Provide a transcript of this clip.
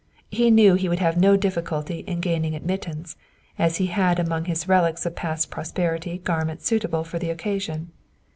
He knew he would have no difficulty in gaining admittance, as he had among his relics of past prosperity garments suitable for the occasion.